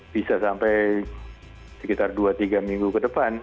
bisa sampai sekitar dua tiga minggu ke depan